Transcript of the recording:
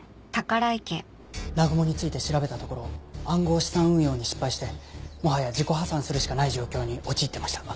南雲について調べたところ暗号資産運用に失敗してもはや自己破産するしかない状況に陥ってました。